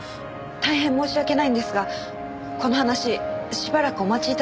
大変申し訳ないんですがこの話しばらくお待ち頂けますか？